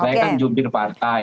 saya kan jubir partai